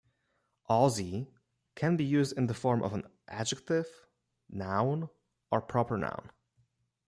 Aussie can be used in the form of an adjective, noun, or proper noun.